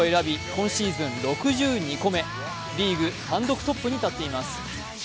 今シーズン６２個目、リーグ単独トップに立っています。